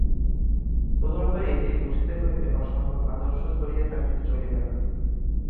প্রথমত এইটি বুঝিতে হইবে, অসম্ভব আদর্শ ধরিয়া থাকিলে চলিবে না।